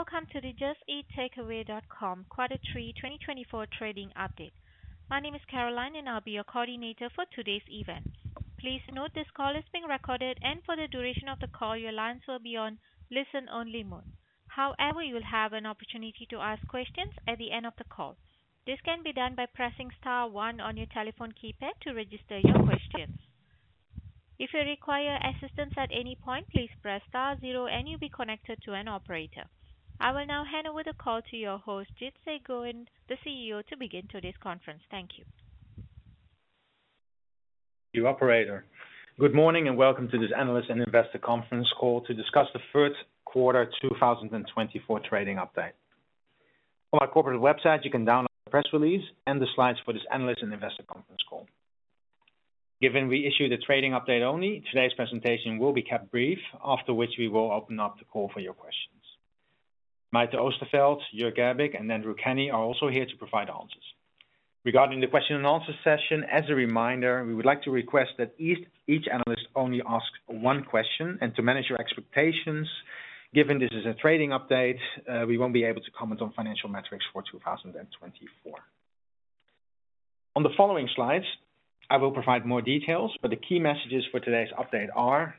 Welcome to the Just Eat Takeaway.com Quarter Three 2024 Trading Update. My name is Caroline, and I'll be your coordinator for today's event. Please note, this call is being recorded, and for the duration of the call, your lines will be on listen-only mode. However, you will have an opportunity to ask questions at the end of the call. This can be done by pressing star one on your telephone keypad to register your questions. If you require assistance at any point, please press star zero and you'll be connected to an operator. I will now hand over the call to your host, Jitse Groen, the CEO, to begin today's conference. Thank you. Operator. Good morning, and welcome to this analyst and investor conference call to discuss the first quarter two thousand and twenty-four trading update. On our corporate website, you can download the press release and the slides for this analyst and investor conference call. Given we issued a trading update only, today's presentation will be kept brief, after which we will open up the call for your questions. Mayte Oosterveld, Jorg Gerbig, and Andrew Kenny are also here to provide answers. Regarding the question and answer session, as a reminder, we would like to request that each analyst only ask one question, and to manage your expectations, given this is a trading update, we won't be able to comment on financial metrics for two thousand and twenty-four. On the following slides, I will provide more details, but the key messages for today's update are: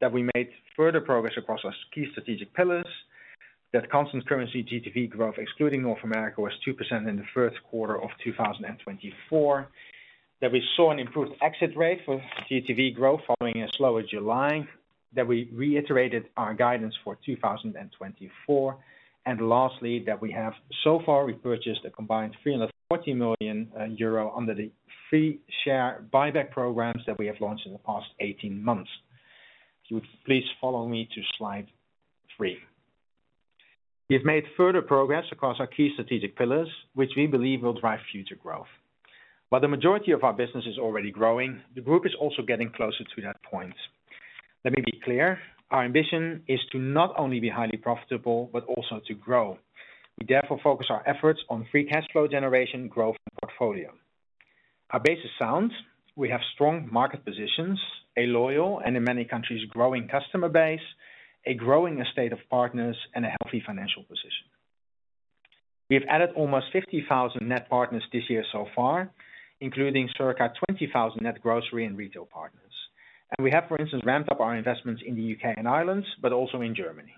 that we made further progress across our key strategic pillars, that constant currency GTV growth, excluding North America, was 2% in the first quarter of 2024, that we saw an improved exit rate for GTV growth following a slower July, that we reiterated our guidance for 2024, and lastly, that we have so far purchased a combined 340 million euro under the free share buyback programs that we have launched in the past 18 months. If you would please follow me to Slide 3. We've made further progress across our key strategic pillars, which we believe will drive future growth. While the majority of our business is already growing, the group is also getting closer to that point. Let me be clear, our ambition is to not only be highly profitable, but also to grow. We therefore focus our efforts on free cash flow generation, growth, and portfolio. Our base is sound. We have strong market positions, a loyal and, in many countries, growing customer base, a growing estate of partners, and a healthy financial position. We have added almost 50,000 net partners this year so far, including circa 20,000 net grocery and retail partners. And we have, for instance, ramped up our investments in the UK and Ireland, but also in Germany.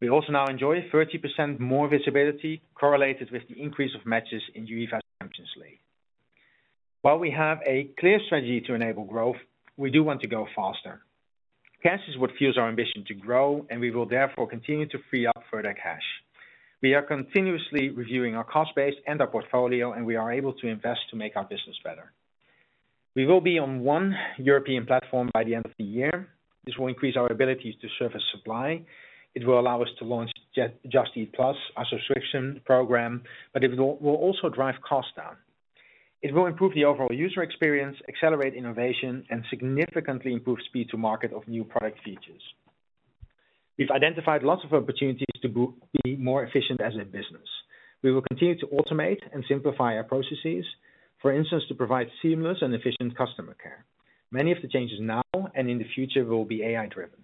We also now enjoy 30% more visibility, correlated with the increase of matches in UEFA Champions League. While we have a clear strategy to enable growth, we do want to go faster. Cash is what fuels our ambition to grow, and we will therefore continue to free up further cash. We are continuously reviewing our cost base and our portfolio, and we are able to invest to make our business better. We will be on one European platform by the end of the year. This will increase our ability to service supply. It will allow us to launch Just Eat Plus, our subscription program, but it will also drive costs down. It will improve the overall user experience, accelerate innovation, and significantly improve speed to market of new product features. We've identified lots of opportunities to be more efficient as a business. We will continue to automate and simplify our processes, for instance, to provide seamless and efficient customer care. Many of the changes now and in the future will be AI-driven.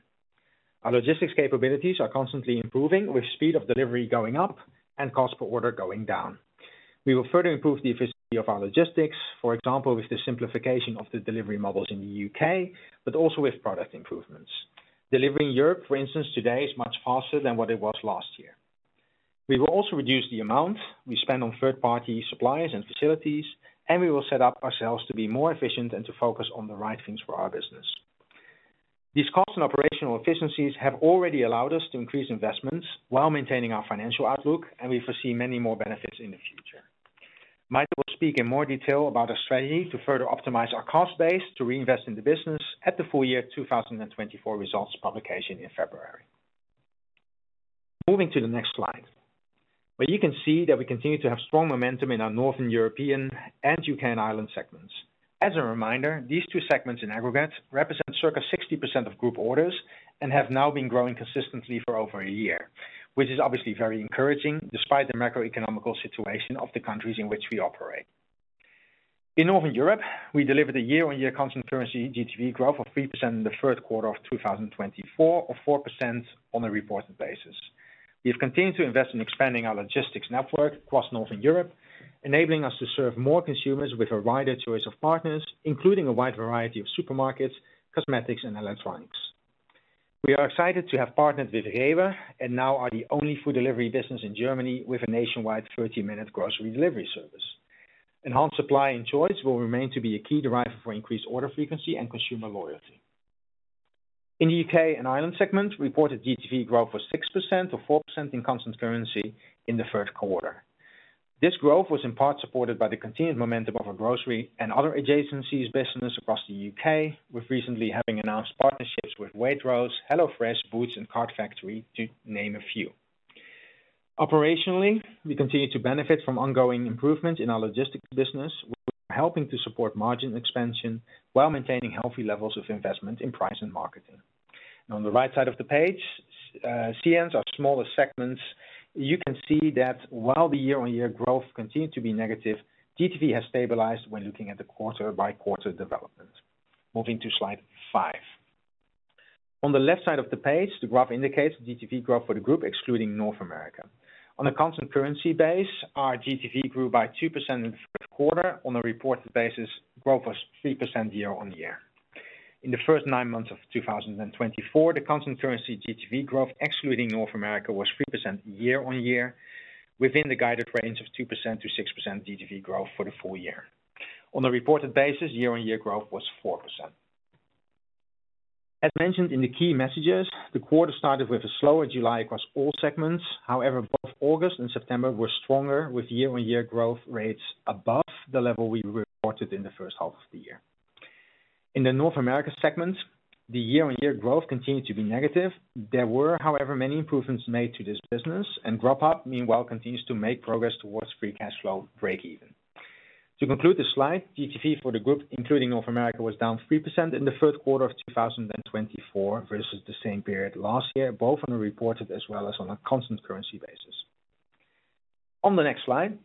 Our logistics capabilities are constantly improving, with speed of delivery going up and cost per order going down. We will further improve the efficiency of our logistics, for example, with the simplification of the delivery models in the U.K., but also with product improvements. Delivering Europe, for instance, today is much faster than what it was last year. We will also reduce the amount we spend on third-party suppliers and facilities, and we will set up ourselves to be more efficient and to focus on the right things for our business. These cost and operational efficiencies have already allowed us to increase investments while maintaining our financial outlook, and we foresee many more benefits in the future. Mayte will speak in more detail about our strategy to further optimize our cost base, to reinvest in the business at the full year two thousand and twenty-four results publication in February. Moving to the next slide. You can see that we continue to have strong momentum in our Northern Europe and UK and Ireland segments. As a reminder, these two segments in aggregate represent circa 60% of group orders and have now been growing consistently for over a year, which is obviously very encouraging, despite the macroeconomic situation of the countries in which we operate. In Northern Europe, we delivered a year-on-year constant currency GTV growth of 3% in the first quarter of 2024, or 4% on a reported basis. We have continued to invest in expanding our logistics network across Northern Europe, enabling us to serve more consumers with a wider choice of partners, including a wide variety of supermarkets, cosmetics, and electronics. We are excited to have partnered with Rewe, and now are the only food delivery business in Germany with a nationwide thirty-minute grocery delivery service. Enhanced supply and choice will remain to be a key driver for increased order frequency and consumer loyalty. In the UK and Ireland segment, reported GTV growth was 6%, or 4% in constant currency in the first quarter. This growth was in part supported by the continued momentum of our grocery and other adjacencies business across the UK, with recently having announced partnerships with Waitrose, HelloFresh, Boots, and Card Factory, to name a few. Operationally, we continue to benefit from ongoing improvement in our logistics business, which are helping to support margin expansion while maintaining healthy levels of investment in price and marketing. On the right side of the page, SE and ANZ, our smaller segments, you can see that while the year-on-year growth continued to be negative, GTV has stabilized when looking at the quarter-by-quarter development. Moving to slide five. On the left side of the page, the graph indicates GTV growth for the group excluding North America. On a constant currency base, our GTV grew by 2% in the third quarter. On a reported basis, growth was 3% year-on-year. In the first nine months of 2024, the constant currency GTV growth, excluding North America, was 3% year-on-year, within the guided range of 2% to 6% GTV growth for the full year. On a reported basis, year-on-year growth was 4%. As mentioned in the key messages, the quarter started with a slower July across all segments. However, both August and September were stronger, with year-on-year growth rates above the level we reported in the first half of the year. In the North America segment, the year-on-year growth continued to be negative. There were, however, many improvements made to this business, and Grubhub, meanwhile, continues to make progress towards free cash flow breakeven. To conclude this slide, GTV for the group, including North America, was down 3% in the third quarter of two thousand and twenty-four versus the same period last year, both on a reported as well as on a constant currency basis. On the next slide,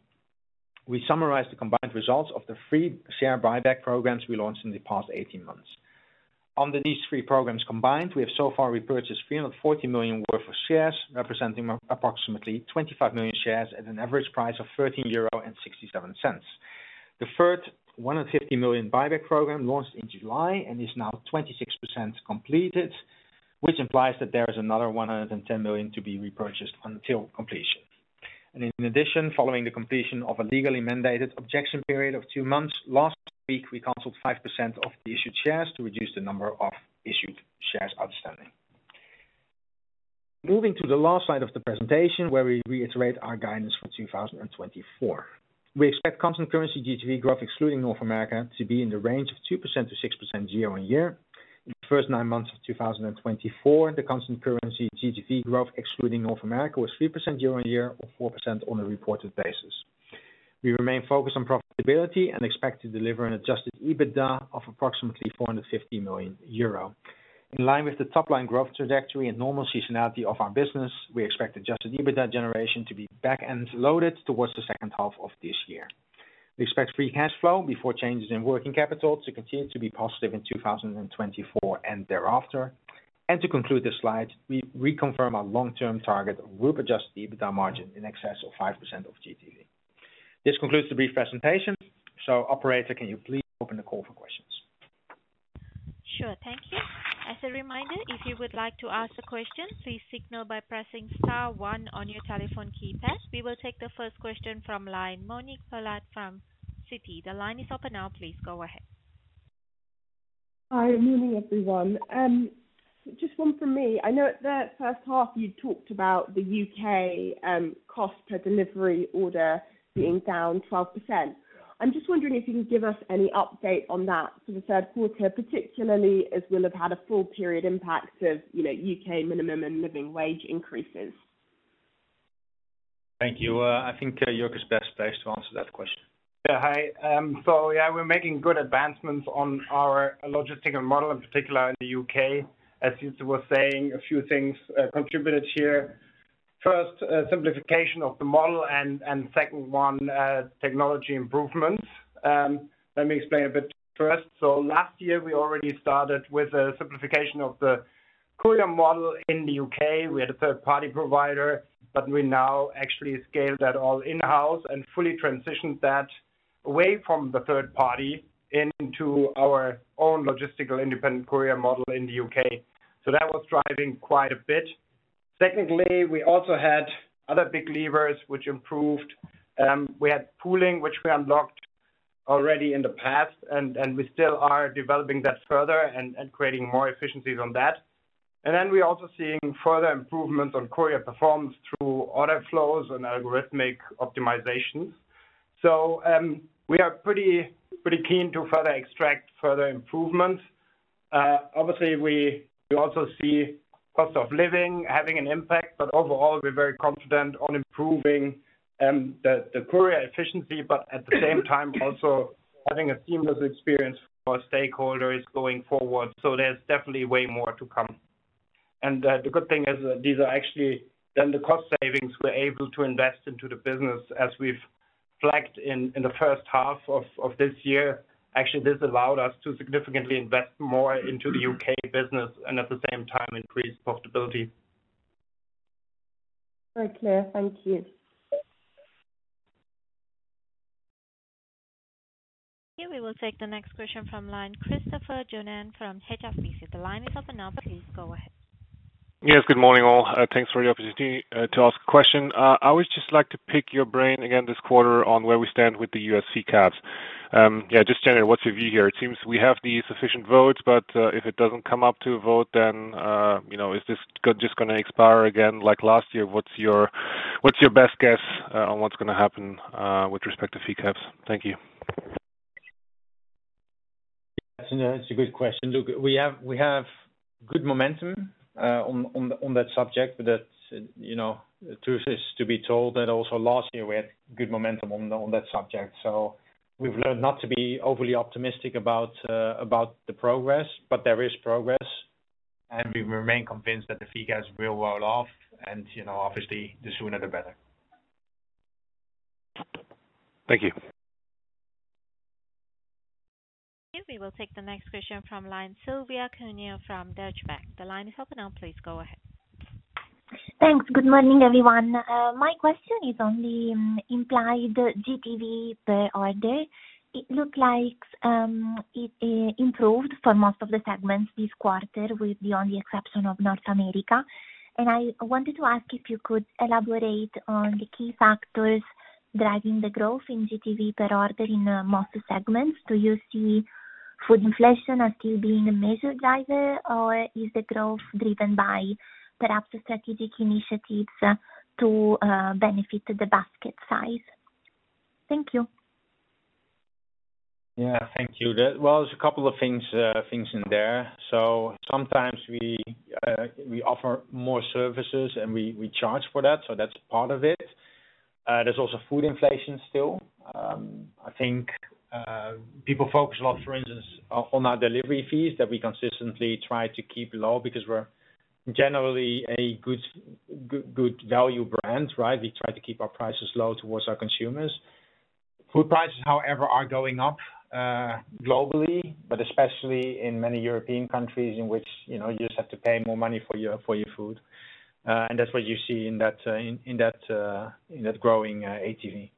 we summarize the combined results of the three share buyback programs we launched in the past eighteen months. Under these three programs combined, we have so far repurchased 340 million worth of shares, representing approximately 25 million shares at an average price of 13.67 euro. The first 150 million buyback program launched in July and is now 26% completed, which implies that there is another 110 million to be repurchased until completion, and in addition, following the completion of a legally mandated objection period of two months, last week, we canceled 5% of the issued shares to reduce the number of issued shares outstanding. Moving to the last slide of the presentation, where we reiterate our guidance for two thousand and twenty-four. We expect constant currency GTV growth, excluding North America, to be in the range of 2% to 6% year-on-year. In the first nine months of two thousand and twenty-four, the constant currency GTV growth, excluding North America, was 3% year-on-year, or 4% on a reported basis. We remain focused on profitability and expect to deliver an Adjusted EBITDA of approximately 450 million euro. In line with the top line growth trajectory and normal seasonality of our business, we expect Adjusted EBITDA generation to be back-end loaded towards the second half of this year. We expect free cash flow before changes in working capital to continue to be positive in 2024 and thereafter. And to conclude this slide, we reconfirm our long-term target of group Adjusted EBITDA margin in excess of 5% of GTV. This concludes the brief presentation. So operator, can you please open the call for questions? Sure. Thank you. As a reminder, if you would like to ask a question, please signal by pressing star one on your telephone keypad. We will take the first question from line, Monique Pollard from Citi. The line is open now. Please go ahead. Hi, morning, everyone. Just one from me. I know at the first half, you talked about the UK, cost per delivery order being down 12%. I'm just wondering if you can give us any update on that for the third quarter, particularly as we'll have had a full period impact of, you know, UK minimum and living wage increases. Thank you. I think, Jorg is best placed to answer that question. Yeah. Hi. So yeah, we're making good advancements on our logistical model, in particular in the U.K. As Jitse was saying, a few things contributed here. First, simplification of the model, and second one, technology improvements. Let me explain a bit first. So last year, we already started with a simplification of the courier model in the U.K. We had a third-party provider, but we now actually scaled that all in-house and fully transitioned that away from the third party into our own logistical independent courier model in the U.K. So that was driving quite a bit. Secondly, we also had other big levers which improved. We had pooling, which we unlocked already in the past, and we still are developing that further and creating more efficiencies on that. And then we're also seeing further improvements on courier performance through order flows and algorithmic optimizations. So we are pretty pretty keen to extract further improvements. Obviously, we also see cost of living having an impact, but overall, we're very confident on improving the courier efficiency, but at the same time, also having a seamless experience for our stakeholders going forward. So there's definitely way more to come and the good thing is that these are actually the cost savings we're able to invest into the business, as we've flagged in the first half of this year. Actually, this allowed us to significantly invest more into the UK business and at the same time increase profitability. Okay. Thank you. We will take the next question from line, Christopher Johnen from HSBC. The line is open now. Please go ahead. Yes, good morning, all. Thanks for the opportunity to ask a question. I always just like to pick your brain again this quarter on where we stand with the U.S. caps. Yeah, just generally, what's your view here? It seems we have the sufficient votes, but if it doesn't come up to a vote, then you know, is this just gonna expire again like last year? What's your best guess on what's gonna happen with respect to fee caps? Thank you. That's a good question. Look, we have good momentum on that subject. But that's, you know, the truth is to be told that also last year, we had good momentum on that subject. So we've learned not to be overly optimistic about the progress, but there is progress, and we remain convinced that the fee caps will roll off, and, you know, obviously, the sooner the better.... Thank you. We will take the next question from line, Silvia Cuneo from Deutsche Bank. The line is open now, please go ahead. Thanks. Good morning, everyone. My question is on the implied GTV per order. It looked like it improved for most of the segments this quarter, with the only exception of North America. And I wanted to ask if you could elaborate on the key factors driving the growth in GTV per order in most segments. Do you see food inflation as still being a major driver, or is the growth driven by perhaps the strategic initiatives to benefit the basket size? Thank you. Yeah, thank you. Well, there's a couple of things in there. So sometimes we offer more services, and we charge for that, so that's part of it. There's also food inflation still. I think people focus a lot, for instance, on our delivery fees that we consistently try to keep low because we're generally a good value brand, right? We try to keep our prices low towards our consumers. Food prices, however, are going up globally, but especially in many European countries in which you know you just have to pay more money for your food. And that's what you see in that growing ATV.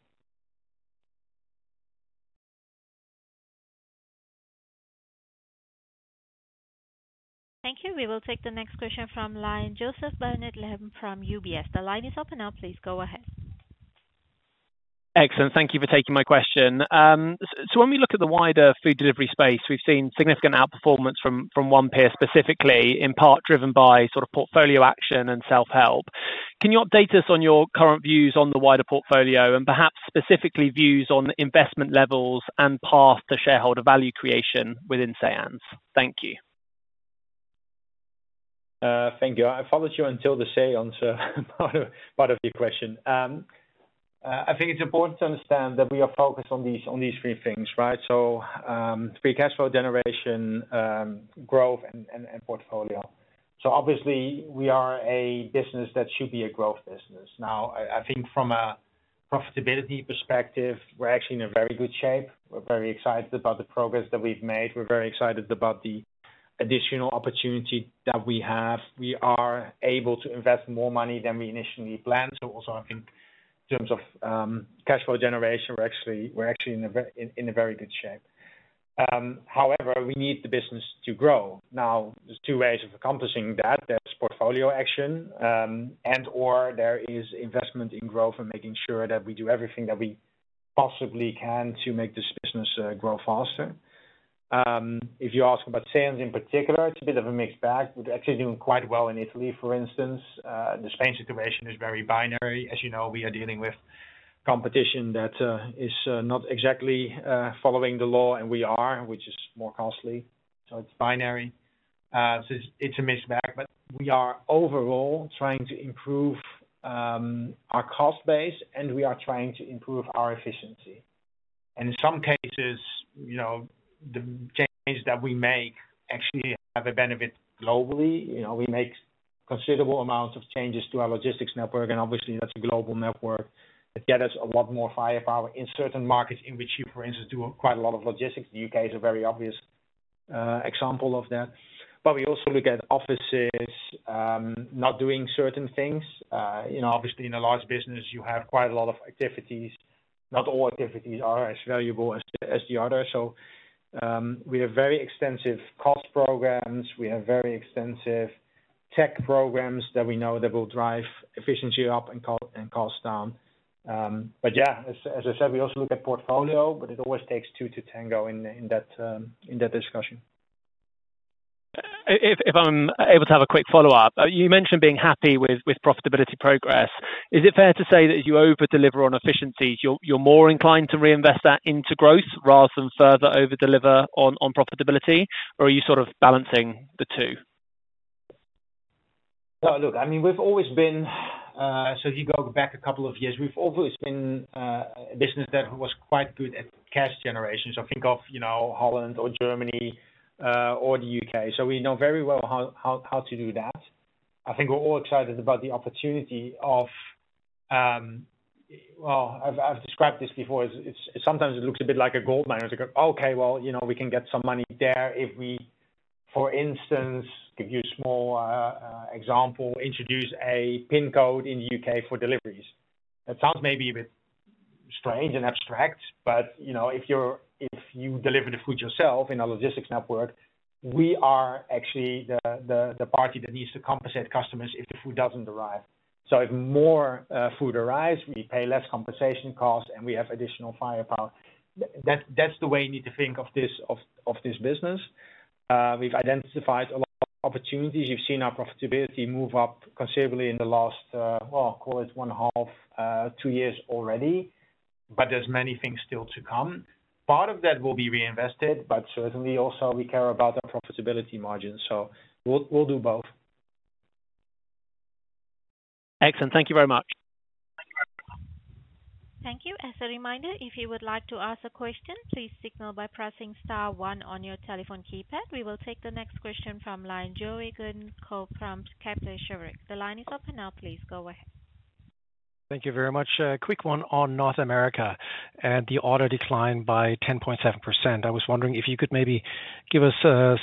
Thank you. We will take the next question from line, Jo Barnet-Lamb from UBS. The line is open now, please go ahead. Excellent. Thank you for taking my question, so when we look at the wider food delivery space, we've seen significant outperformance from one peer, specifically, in part driven by sort of portfolio action and self-help. Can you update us on your current views on the wider portfolio and perhaps specifically views on investment levels and path to shareholder value creation within ANZ? Thank you. Thank you. I followed you until the second part of your question. I think it's important to understand that we are focused on these three things, right? So, free cash flow generation, growth, and portfolio. So obviously, we are a business that should be a growth business. Now, I think from a profitability perspective, we're actually in a very good shape. We're very excited about the progress that we've made. We're very excited about the additional opportunity that we have. We are able to invest more money than we initially planned. So also, I think in terms of cash flow generation, we're actually in a very good shape. However, we need the business to grow. Now, there's two ways of accomplishing that. There's portfolio action, and/or there is investment in growth and making sure that we do everything that we possibly can to make this business grow faster. If you ask about Southern in particular, it's a bit of a mixed bag. We're actually doing quite well in Italy, for instance. The Spain situation is very binary. As you know, we are dealing with competition that is not exactly following the law, and we are, which is more costly, so it's binary. So it's a mixed bag, but we are overall trying to improve our cost base, and we are trying to improve our efficiency. And in some cases, you know, the changes that we make actually have a benefit globally. You know, we make considerable amounts of changes to our logistics network, and obviously, that's a global network that get us a lot more firepower in certain markets in which you, for instance, do quite a lot of logistics. The UK is a very obvious example of that. But we also look at offices not doing certain things. You know, obviously, in a large business, you have quite a lot of activities. Not all activities are as valuable as the other. So, we have very extensive cost programs. We have very extensive tech programs that we know will drive efficiency up and cost down. But yeah, as I said, we also look at portfolio, but it always takes two to tango in that discussion. If I'm able to have a quick follow-up. You mentioned being happy with profitability progress. Is it fair to say that as you over-deliver on efficiencies, you're more inclined to reinvest that into growth rather than further over-deliver on profitability, or are you sort of balancing the two? Look, I mean, we've always been a business that was quite good at cash generation if you go back a couple of years. So think of, you know, Holland or Germany or the U.K. So we know very well how to do that. I think we're all excited about the opportunity. Well, I've described this before as it's sometimes it looks a bit like a gold mine. It's like, okay, well, you know, we can get some money there if we, for instance, give you a small example, introduce a postcode in the U.K. for deliveries. That sounds maybe a bit strange and abstract, but, you know, if you deliver the food yourself in a logistics network, we are actually the party that needs to compensate customers if the food doesn't arrive. So if more food arrives, we pay less compensation costs, and we have additional firepower. That's the way you need to think of this business. We've identified a lot of opportunities. You've seen our profitability move up considerably in the last, well, I'll call it one and a half, two years already, but there's many things still to come. Part of that will be reinvested, but certainly also we care about our profitability margins, so we'll do both. Excellent. Thank you very much. Thank you. As a reminder, if you would like to ask a question, please signal by pressing star one on your telephone keypad. We will take the next question from Joe Egan, Goodbody. The line is open now, please go ahead. ...Thank you very much. Quick one on North America and the order declined by 10.7%. I was wondering if you could maybe give us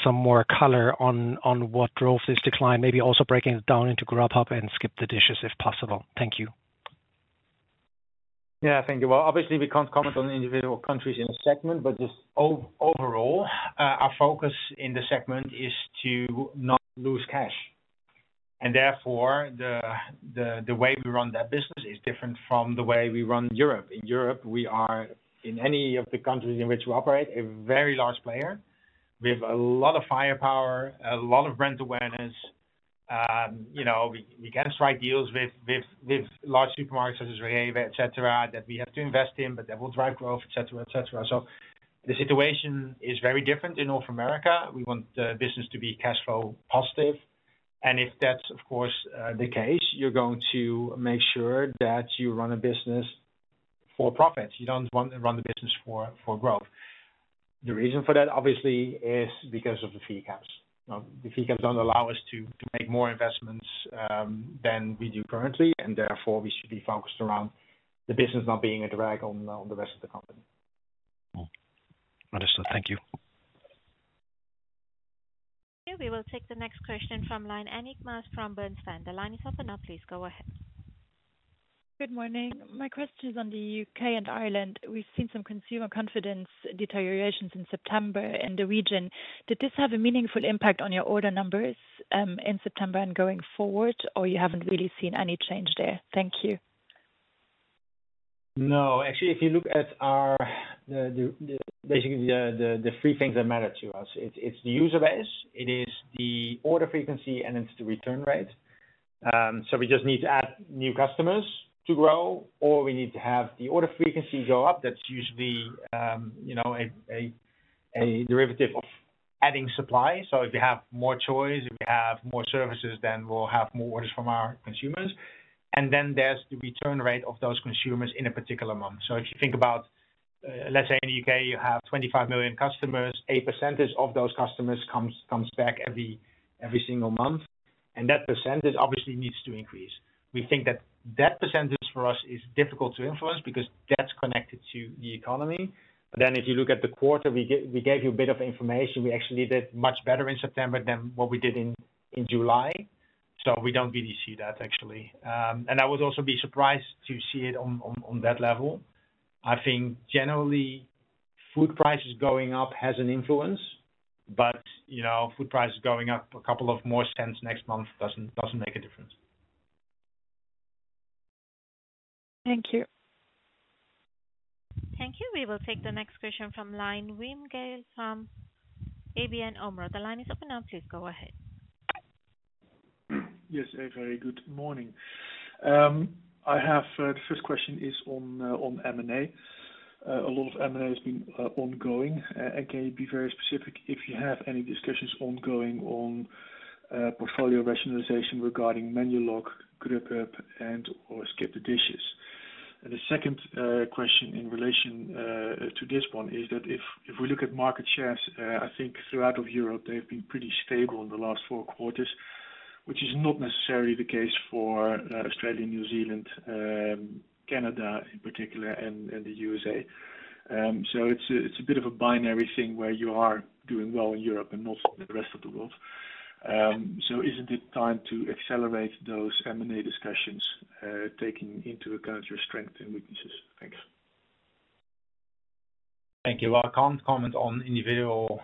some more color on what drove this decline, maybe also breaking it down into Grubhub and SkipTheDishes, if possible. Thank you. Yeah, thank you. Well, obviously, we can't comment on the individual countries in the segment, but just overall, our focus in the segment is to not lose cash. And therefore, the way we run that business is different from the way we run Europe. In Europe, we are, in any of the countries in which we operate, a very large player. We have a lot of firepower, a lot of brand awareness. You know, we get to strike deals with large supermarkets such as Rewe, et cetera, that we have to invest in, but that will drive growth, et cetera, et cetera. So the situation is very different in North America. We want the business to be cash flow positive, and if that's of course the case, you're going to make sure that you run a business for profits. You don't want to run the business for growth. The reason for that, obviously, is because of the fee caps. Now, the fee caps don't allow us to make more investments than we do currently, and therefore, we should be focused around the business not being a drag on the rest of the company. Understood. Thank you. We will take the next question from line, Annick Maas from Bernstein. The line is open now. Please go ahead. Good morning. My question is on the UK and Ireland. We've seen some consumer confidence deteriorations in September in the region. Did this have a meaningful impact on your order numbers, in September and going forward, or you haven't really seen any change there? Thank you. No, actually, if you look at our basically the three things that matter to us, it's the user base, it is the order frequency, and it's the return rate. So we just need to add new customers to grow, or we need to have the order frequency go up. That's usually, you know, a derivative of adding supply. So if you have more choice, if you have more services, then we'll have more orders from our consumers. And then there's the return rate of those consumers in a particular month. So if you think about, let's say in the UK, you have 25 million customers, a percentage of those customers comes back every single month, and that percentage obviously needs to increase. We think that percentage for us is difficult to influence because that's connected to the economy. But then if you look at the quarter, we gave you a bit of information. We actually did much better in September than what we did in July, so we don't really see that actually. And I would also be surprised to see it on that level. I think generally, food prices going up has an influence, but, you know, food prices going up a couple of more cents next month doesn't make a difference. Thank you. Thank you. We will take the next question from line, Wim Gille from ABN AMRO. The line is open now, please go ahead. Yes, a very good morning. I have the first question is on M&A. A lot of M&A has been ongoing. And can you be very specific if you have any discussions ongoing on portfolio rationalization regarding Menulog, Grubhub, and/or SkipTheDishes? And the second question in relation to this one is that if we look at market shares, I think throughout of Europe, they've been pretty stable in the last four quarters, which is not necessarily the case for Australia, New Zealand, Canada in particular, and the USA. So it's a bit of a binary thing where you are doing well in Europe and not in the rest of the world. So isn't it time to accelerate those M&A discussions, taking into account your strengths and weaknesses? Thanks. Thank you. Well, I can't comment on individual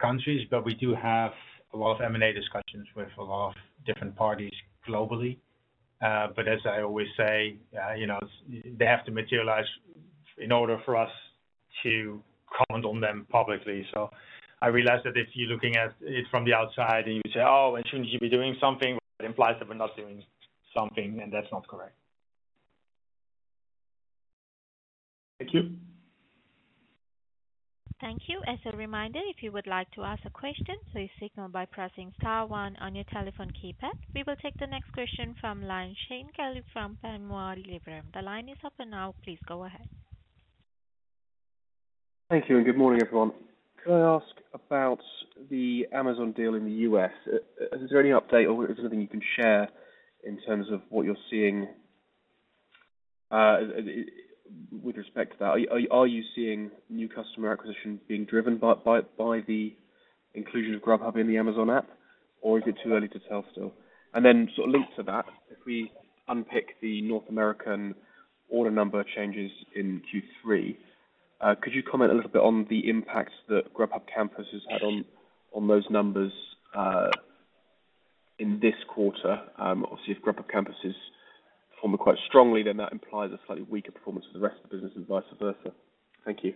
countries, but we do have a lot of M&A discussions with a lot of different parties globally. But as I always say, you know, they have to materialize in order for us to comment on them publicly. So I realize that if you're looking at it from the outside and you say, "Oh, and shouldn't you be doing something?" That implies that we're not doing something, and that's not correct. Thank you. Thank you. As a reminder, if you would like to ask a question, please signal by pressing star one on your telephone keypad. We will take the next question from line, Sean Kealy from Panmure Liberum. The line is open now, please go ahead. Thank you, and good morning, everyone. Could I ask about the Amazon deal in the US? Is there any update or is there anything you can share in terms of what you're seeing with respect to that? Are you seeing new customer acquisition being driven by the inclusion of Grubhub in the Amazon app, or is it too early to tell still? And then sort of linked to that, if we unpick the North American order number changes in Q3, could you comment a little bit on the impacts that Grubhub Campus had on those numbers in this quarter? Obviously, if Grubhub campuses performed quite strongly, then that implies a slightly weaker performance for the rest of the business and vice versa. Thank you.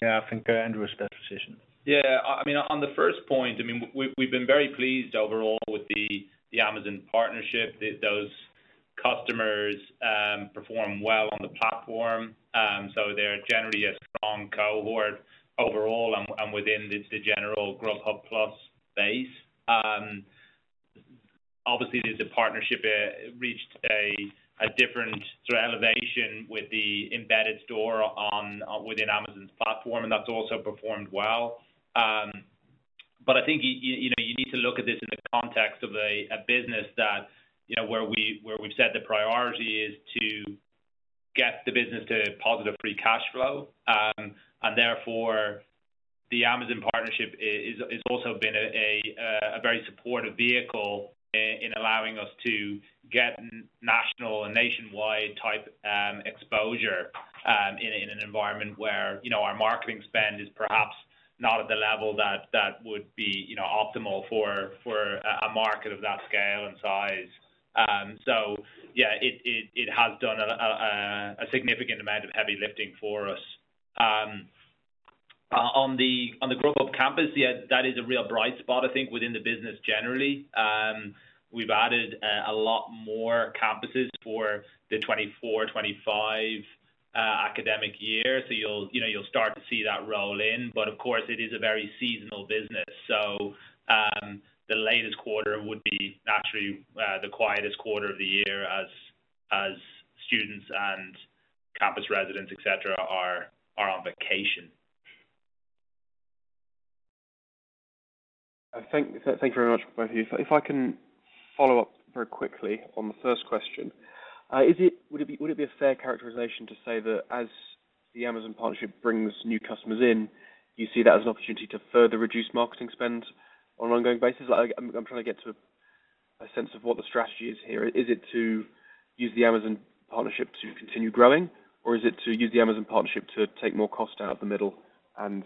Yeah, I think, Andrew, is that decision. Yeah. I mean, on the first point, I mean, we've been very pleased overall with the Amazon partnership. Those customers perform well on the platform, so they're generally a strong cohort overall and within this, the general Grubhub+ base. Obviously, there's a partnership reached a different sort of elevation with the embedded store within Amazon's platform, and that's also performed well. But I think, you know, you need to look at this in the context of a business that, you know, where we've said the priority is to get the business to positive free cash flow. And therefore, the Amazon partnership is also been a very supportive vehicle in allowing us to get national and nationwide type exposure in an environment where, you know, our marketing spend is perhaps not at the level that would be, you know, optimal for a market of that scale and size. So yeah, it has done a significant amount of heavy lifting for us. On the Grubhub Campus, yeah, that is a real bright spot, I think, within the business generally. We've added a lot more campuses for the 2024-2025 academic year. So you'll, you know, start to see that roll in, but of course, it is a very seasonal business. The latest quarter would be naturally the quietest quarter of the year as students and campus residents, et cetera, are on vacation. Thank you very much, both of you. If I can follow up very quickly on the first question. Would it be a fair characterization to say that as the Amazon partnership brings new customers in, you see that as an opportunity to further reduce marketing spend on an ongoing basis? Like, I'm trying to get to a sense of what the strategy is here. Is it to use the Amazon partnership to continue growing? Or is it to use the Amazon partnership to take more cost out of the middle and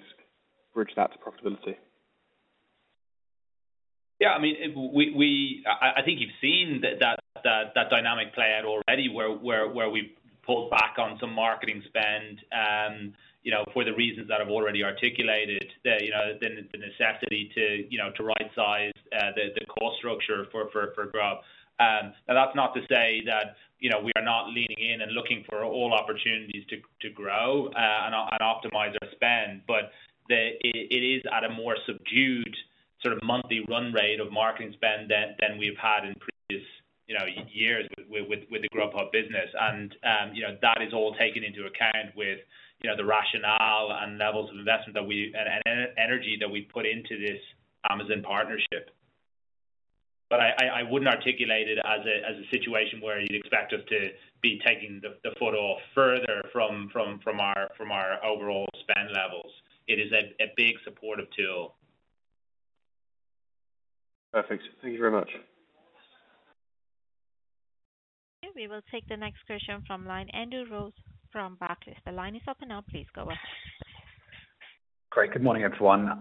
bridge that to profitability? Yeah, I mean, I think you've seen that dynamic play out already, where we've pulled back on some marketing spend. You know, for the reasons that I've already articulated, you know, the necessity to right size the cost structure for growth. And that's not to say that, you know, we are not leaning in and looking for all opportunities to grow and optimize our spend. But it is at a more subdued, sort of monthly run rate of marketing spend than we've had in previous, you know, years with the Grubhub business. And, you know, that is all taken into account with you know, the rationale and levels of investment that we... The energy that we put into this Amazon partnership. But I wouldn't articulate it as a situation where you'd expect us to be taking the foot off further from our overall spend levels. It is a big supportive tool. Perfect. Thank you very much. We will take the next question from line, Andrew Ross from Barclays. The line is open now, please go ahead. Great. Good morning, everyone.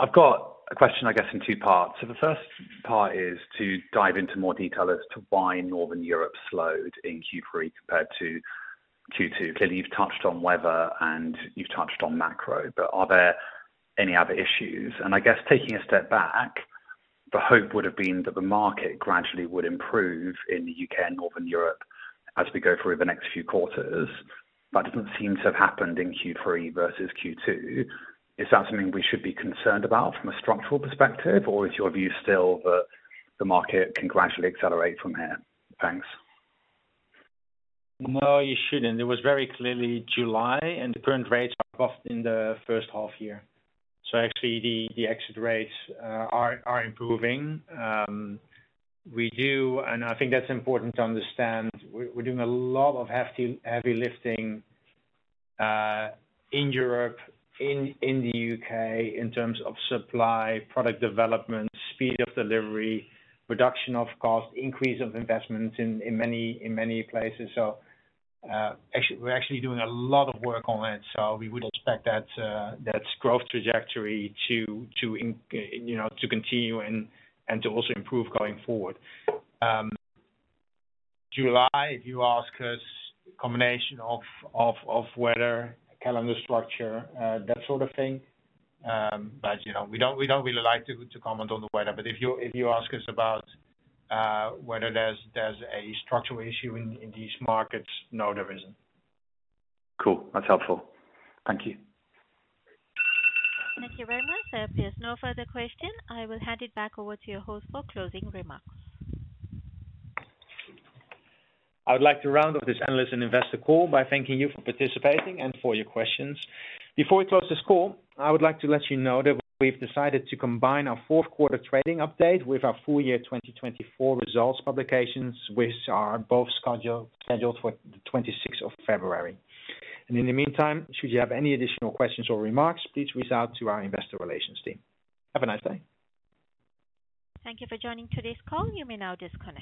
I've got a question, I guess, in two parts. So the first part is to dive into more detail as to why Northern Europe slowed in Q3 compared to Q2. Clearly, you've touched on weather, and you've touched on macro, but are there any other issues? And I guess taking a step back, the hope would have been that the market gradually would improve in the UK and Northern Europe as we go through the next few quarters. That doesn't seem to have happened in Q3 versus Q2. Is that something we should be concerned about from a structural perspective, or is your view still that the market can gradually accelerate from here? Thanks. No, you shouldn't. It was very clearly July, and the current rates are off in the first half year. So actually, the exit rates are improving. I think that's important to understand. We're doing a lot of heavy lifting in Europe, in the UK, in terms of supply, product development, speed of delivery, reduction of cost, increase of investments in many places. So actually, we're doing a lot of work on it, so we would expect that growth trajectory to, you know, continue and to also improve going forward. July, if you ask us, combination of weather, calendar structure, that sort of thing. You know, we don't really like to comment on the weather. But if you ask us about whether there's a structural issue in these markets, no, there isn't. Cool. That's helpful. Thank you. Thank you very much. There appears no further question. I will hand it back over to your host for closing remarks. I would like to round up this analyst and investor call by thanking you for participating and for your questions. Before we close this call, I would like to let you know that we've decided to combine our fourth quarter trading update with our full year twenty-twenty-four results publications, which are both scheduled for the twenty-sixth of February. And in the meantime, should you have any additional questions or remarks, please reach out to our investor relations team. Have a nice day. Thank you for joining today's call. You may now disconnect.